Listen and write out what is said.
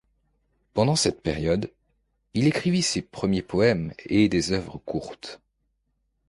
Pendant cette période, il écrivit ses premiers poèmes et des œuvres courtes.